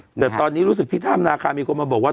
แต่ตอนนี้รู้สึกที่ถ้ำนาคามีคนมาบอกว่า